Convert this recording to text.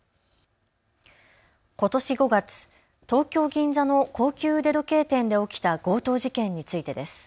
ことし５月、東京銀座の高級腕時計店で起きた強盗事件についてです。